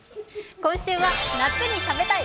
今週は「夏に食べたい！